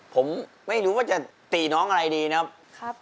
ผมไม่รู้ว่าจะตีน้องอะไรดีนะครับ